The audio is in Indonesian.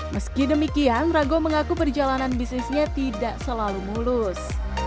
meski demikian rago mengaku perjalanan bisnisnya tidak selalu mulus